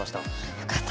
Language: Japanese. よかった。